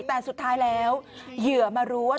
แต่สุดท้ายแล้วเหยื่อมารู้ว่า